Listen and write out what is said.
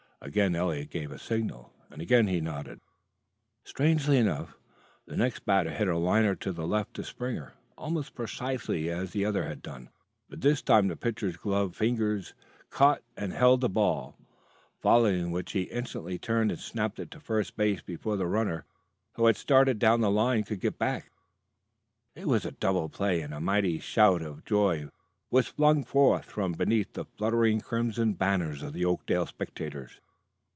Again Eliot gave a signal, and again he nodded. Strangely enough, the next batter hit a liner to the left of Springer, almost precisely as the other had done; but this time the pitcher's gloved fingers caught and held the ball, following which he instantly turned and snapped it to first base before the runner, who had started down the line, could get back. It was a double play, and a mighty shout of joy was flung forth from beneath the fluttering crimson banners of the Oakdale spectators.